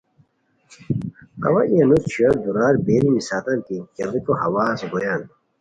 اوا ای انوس چھویو دورار بیری نیسیتام کی کیڑیکو ہواز گویان